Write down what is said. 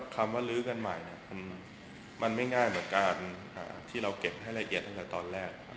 คำว่าลื้อกันใหม่เนี่ยมันไม่ง่ายเหมือนการที่เราเก็บให้ละเอียดตั้งแต่ตอนแรกนะครับ